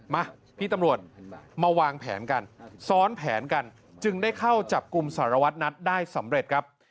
มาพี่ตำรวจมาวางแผนกันซ้อนแผนกันจึงได้เข้าจับกลุ่มสารวัตรนัทได้สำเร็จครับ